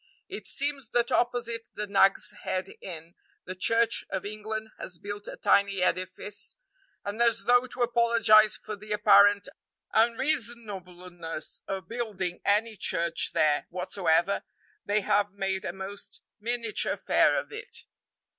It seems that opposite the Nag's Head Inn the Church of England has built a tiny edifice, and as though to apologize for the apparent unreasonableness of building any church there whatsoever, they have made a most miniature affair of it.